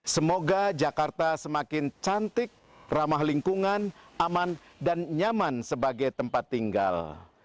semoga jakarta semakin cantik ramah lingkungan aman dan nyaman sebagai tempat tinggal